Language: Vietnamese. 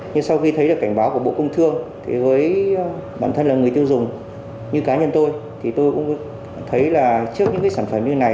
nhưng sau khi thấy cảnh báo của bộ công thương với bản thân là người tiêu dùng như cá nhân tôi tôi cũng thấy trước những sản phẩm như này